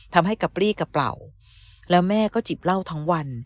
ทำให้กระปรี้กระเป๋าแล้วแม่ก็จิบเล่าทั้งวัน